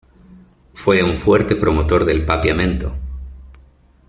Fue un fuerte promotor del papiamento.